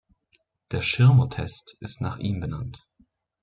Der Schirmer-Test ist nach ihm benannt.